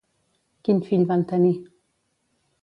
Quin fill van tenir?